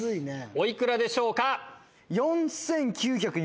お幾らでしょうか？